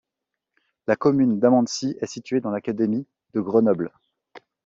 La commune d'Amancy est située dans l'académie de Grenoble.